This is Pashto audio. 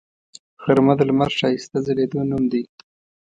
غرمه د لمر ښایسته ځلیدو نوم دی